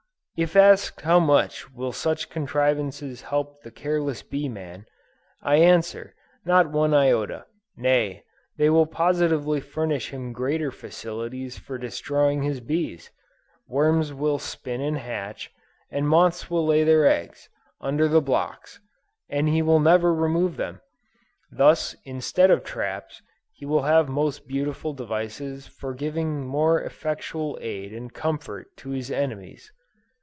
If asked how much will such contrivances help the careless bee man, I answer, not one iota; nay, they will positively furnish him greater facilities for destroying his bees. Worms will spin and hatch, and moths will lay their eggs, under the blocks, and he will never remove them: thus instead of traps he will have most beautiful devices for giving more effectual aid and comfort to his enemies.